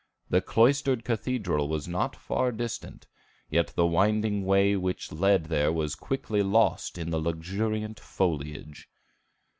The cloistered Cathedral was not far distant, yet the winding way which led there was quickly lost in the luxuriant foliage.